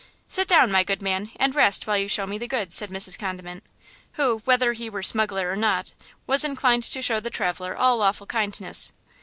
"Sit down, my good man, and rest while you show me the goods," said Mrs. Condiment, who, whether he were smuggler or not, was inclined to show the traveler all lawful kindness.